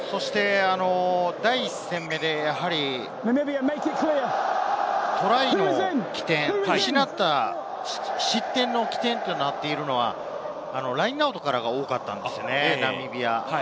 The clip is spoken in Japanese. そして第１戦でトライの起点、失点の起点となっているのはラインアウトからが多かったんですよね、ナミビアは。